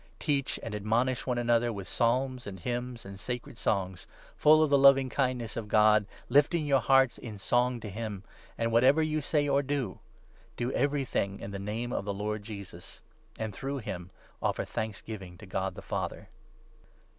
Teach and admonish one another with psalms, and hymns, and sacred songs, full of the loving kind ness of God, lifting your hearts in song to him. And, whatever 17 you say or do, do everything in the Name of the Lord Jesus ; and through him offer thanksgiving to God the Father.